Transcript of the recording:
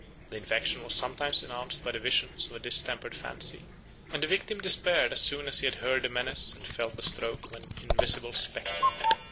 90 The infection was sometimes announced by the visions of a distempered fancy, and the victim despaired as soon as he had heard the menace and felt the stroke of an invisible spectre.